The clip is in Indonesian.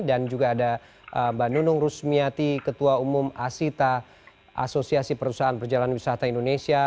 dan juga ada mbak nunung rusmiati ketua umum asita asosiasi perusahaan perjalanan wisata indonesia